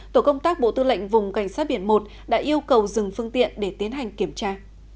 tổ công tác bộ tư lệnh vùng cảnh sát biển một đã yêu cầu dừng phương tiện để tiến hành kiểm tra